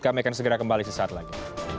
kami akan segera kembali sesaat lagi